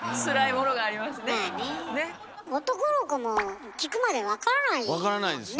男の子も聞くまで分からないもんね。